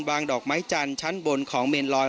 ดอกไม้จันทร์ชั้นบนของเมนลอย